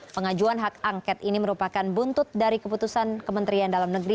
pengajuan hak angket ini merupakan buntut dari keputusan kementerian dalam negeri